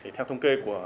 theo thông kê của